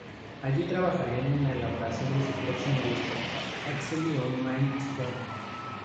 Allí trabajarían en la elaboración de su próximo disco, "Exile On Main St.